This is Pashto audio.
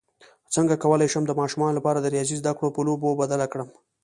څنګه کولی شم د ماشومانو لپاره د ریاضي زدکړه په لوبو بدله کړم